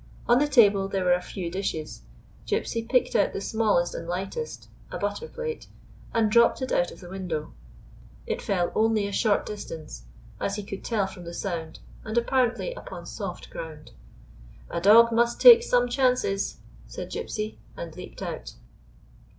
On the table there were a few dishes. Gypsy picked out the smallest and lightest — a butter plate — and dropped it out of the window. It fell only a short distance, as he could tell from the sound, and apparently upon soft ground. "A dog must take some chances !" said Gypsy, and leaped out.